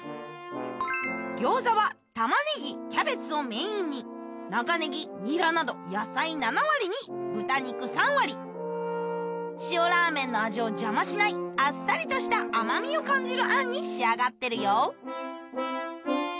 餃子は玉ネギキャベツをメインに長ネギニラなど野菜７割に豚肉３割塩ラーメンの味を邪魔しないあっさりとした甘みを感じる餡に仕上がってるよ